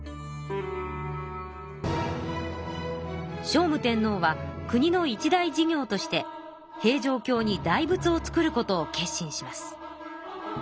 聖武天皇は国の一大事業として平城京に大仏を造ることを決心します。